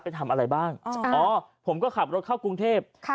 ไปทำอะไรบ้างอ๋อผมก็ขับรถเข้ากรุงเทพ